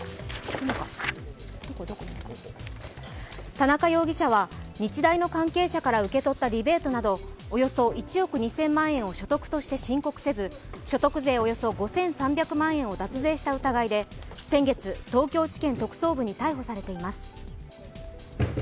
田中容疑者は日大の関係者から受け取ったリベートなどおよそ１億２０００万円を所得として申告せず、所得税およそ５３００万円を脱税した疑いで先月、東京地検特捜部に逮捕されています。